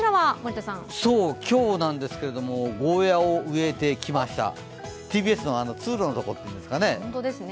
今日、ゴーヤーを植えてきましたＴＢＳの通路のところというんですかね。